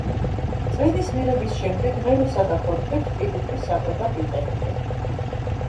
წვენის მიღების შემდეგ ღეროსა და ფოთლებს პირუტყვის საკვებად იყენებენ.